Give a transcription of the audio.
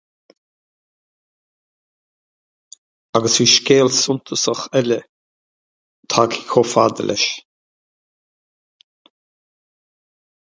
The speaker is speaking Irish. Ach bhí scéal suntasach eile tagtha chomh fada leis.